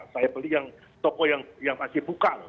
saya beli yang toko yang masih buka